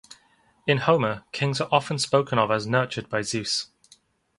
In Homer, kings are often spoken of as nurtured by Zeus.